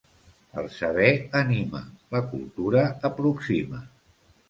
El saber anima, la cultura aproxima.